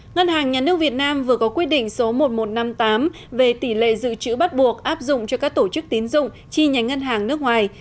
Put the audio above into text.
ngân hàng nhà nước việt nam vừa có quyết định số một nghìn một trăm năm mươi tám về tỷ lệ dự trữ bắt buộc áp dụng cho các tổ chức tín dụng chi nhánh ngân hàng nước ngoài